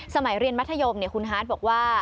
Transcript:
สมัยเรียนมัธยมคุณฮาร์ดบอกว่า